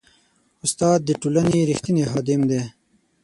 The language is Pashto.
استاد د ټولنې ریښتینی خادم دی.